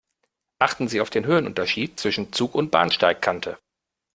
Achten Sie auf den Höhenunterschied zwischen Zug und Bahnsteigkante.